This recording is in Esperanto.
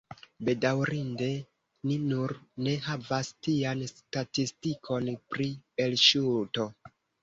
Bedaŭrinde ni nun ne havas tian statistikon pri elŝuto.